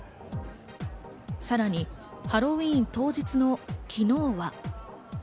さらにハロウィーン当日の昨日は。